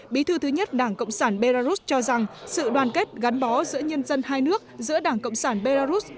bí thư thứ nhất đảng cộng sản belarus cho rằng sự đoàn kết gắn bó giữa nhân dân hai nước giữa đảng cộng sản belarus